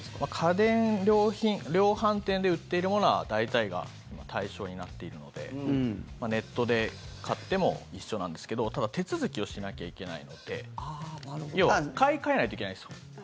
家電量販店で売っているものは大体が対象になっているのでネットで買っても一緒なんですがただ手続きをしなきゃいけないので要は買い替えないといけないんですよ。